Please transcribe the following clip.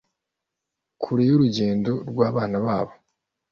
kure y’urukundo rw’abana babo,